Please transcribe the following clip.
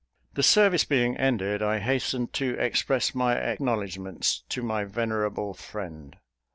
The service being ended, I hastened to express my acknowledgments to my venerable friend.